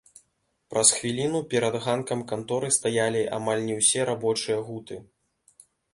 Праз хвіліну перад ганкам канторы стаялі амаль не ўсе рабочыя гуты.